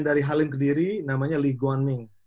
from halim kediri named lee guan ming